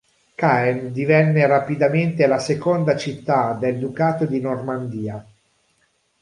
Caen divenne rapidamente la seconda città del ducato di Normandia.